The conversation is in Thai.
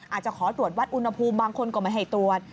อาจจะขอตรวจวัดอุณหภูมิบางคนก็ไม่ให้ตรวจ